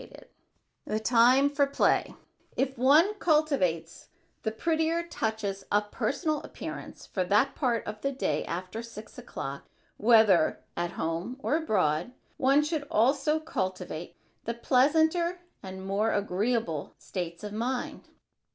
[Sidenote: THE TIME FOR PLAY] If one cultivates the prettier touches of personal appearance for that part of the day after six o'clock, whether at home or abroad, one should also cultivate the pleasanter and more agreeable states of mind.